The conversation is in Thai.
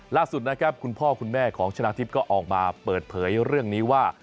ล่าสุดนะครับคุณพ่อคุณแม่ของชนะทิพย์ก็ออกมาเปิดเผยเรื่องนี้ว่า